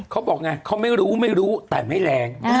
เขาบอกไงเขาไม่รู้แต่ไม่แร้ง